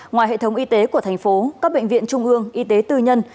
ngoài hệ thống y tế của thành phố các bệnh viện trung ương y tế tư nhân